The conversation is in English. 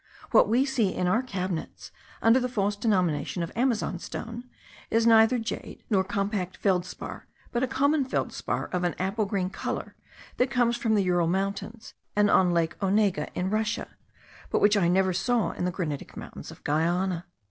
What we see in our cabinets under the false denomination of Amazon stone, is neither jade, nor compact feldspar, but a common feldspar of an apple green colour, that comes from the Ural mountains and on lake Onega in Russia, but which I never saw in the granitic mountains of Guiana.